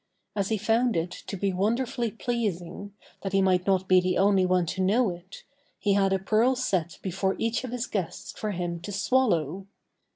As he found it to be wonderfully pleasing, that he might not be the only one to know it, he had a pearl set before each of his guests for him to swallow.